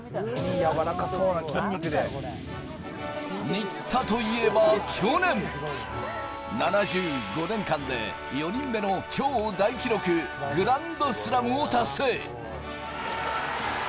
新田といえば去年、７５年間で４人目の超大記録、グランドスラムを達成。